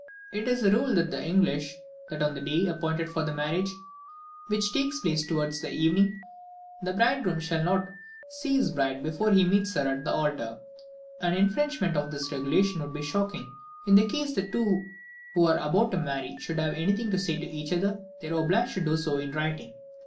It is a rule with the English, that on the day appointed for the marriage, which takes place towards evening, the bridegroom shall not see his bride before he meets her at the altar. An infringement of this regulation would be shocking. In case the two who are about to marry should have anything to say to each other, they are obliged to do so in writing.